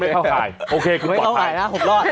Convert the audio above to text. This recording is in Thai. ไม่เข้าข่ายนะผมรอด